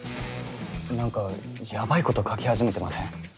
なんかやばいこと書き始めてません？